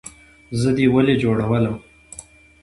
زه دې ولۍ جوړولم؟